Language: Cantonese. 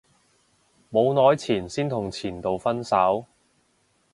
冇耐前先同前度分手